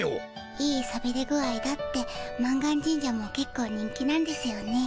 いいさびれ具合だって満願神社もけっこう人気なんですよね。